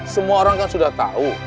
semua orang kan sudah tahu